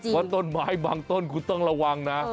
ว่าต้นไม้บางต้นคุณต้องระวังนะ